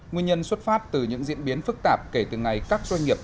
nguyên nhân xuất phát từ những diễn biến phức tạp kể từ ngày các doanh nghiệp